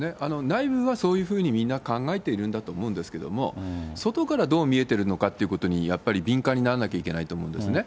内部はそういうふうに、みんな考えているんだと思うんですけれども、外からどう見えているのかってことに、やっぱり敏感にならなきゃいけないと思うんですね。